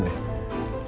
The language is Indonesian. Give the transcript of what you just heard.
lo diam deh